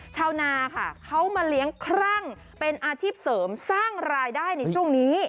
ชาวนาค่ะเขามาเลี้ยงครั่งเป็นอาชีพเสริมสร้างรายได้ในช่วงนี้